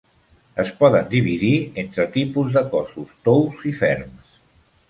Es poden dividir entre tipus de cossos tous i ferms.